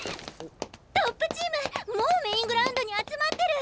トップチームもうメイングラウンドに集まってる！